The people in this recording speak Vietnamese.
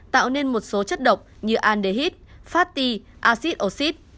tạo nên một số chất độc như aldehyde phát ti acid oxide